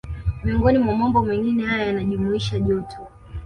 Miongoni mwa mambo mengine haya yanajumuisha joto